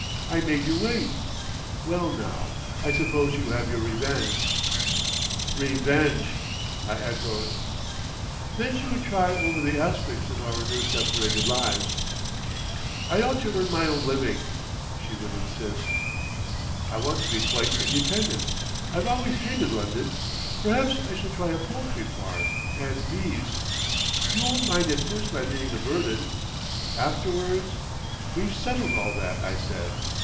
I made you wait. Well now—I suppose you have your revenge." "Revenge!" I echoed. Then she would try over the aspects of our new separated lives. "I ought to earn my own living," she would insist. "I want to be quite independent. I've always hated London. Perhaps I shall try a poultry farm and bees. You won't mind at first my being a burden. Afterwards—" "We've settled all that," I said.